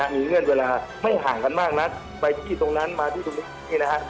มีเงื่อนเวลาไม่ห่างกันมากนักไปที่ตรงนั้นมาที่ตรงนี้นี่นะฮะ